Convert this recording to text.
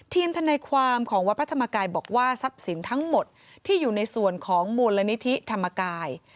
ทนายความของวัดพระธรรมกายบอกว่าทรัพย์สินทั้งหมดที่อยู่ในส่วนของมูลนิธิธรรมกาย